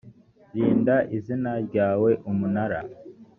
rinda izina ryawe umunara